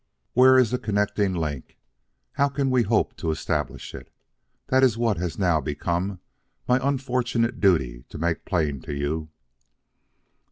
"Where is the connecting link? How can we hope to establish it? That is what it has now become my unfortunate duty to make plain to you.